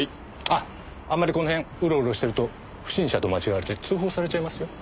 あっあんまりこの辺うろうろしてると不審者と間違われて通報されちゃいますよ。